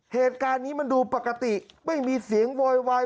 เหตุการณ์นี้มันดูปกติไม่มีเสียงโวยวาย